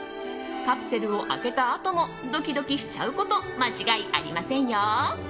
カプセルを開けたあともドキドキしちゃうこと間違いありませんよ。